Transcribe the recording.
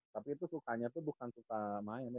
tapi itu sukanya tuh bukan suka main ya